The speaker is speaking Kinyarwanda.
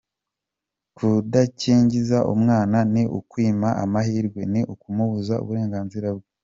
Kudakingiza umwana ni ukumwima amahirwe, ni ukumubuza uburenganzira bwe.